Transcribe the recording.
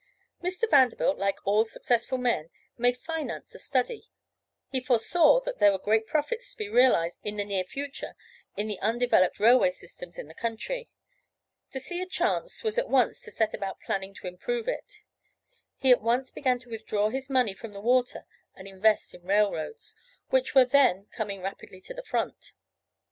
Mr. Vanderbilt, like all successful men, made finance a study; he foresaw that there were great profits to be realized in the near future in the undeveloped railway systems in the country. To see a chance was to at once set about planning to improve it. He at once began to withdraw his money from the water and invest in railroads, which were then coming rapidly to the front.